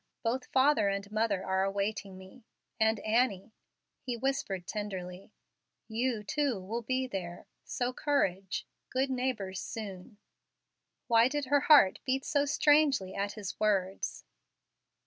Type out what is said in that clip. Both father and mother are awaiting me and, Annie," he whispered, tenderly, "you, too, will be there. So, courage! 'Good neighbors,' soon." Why did her heart beat so strangely at his words?